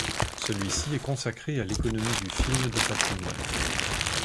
Celui-ci est consacré à l'économie du film de patrimoine.